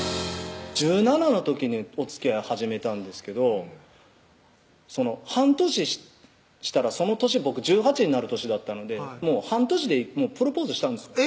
１７の時におつきあいを始めたんですけど半年したらその年僕１８になる年だったので半年でプロポーズしたんですよ